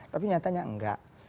tapi nyatanya enggak